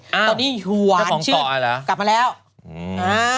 ตอนนี้หวานชื่อกลับมาแล้วอ้าวก็ของต่ออันแล้ว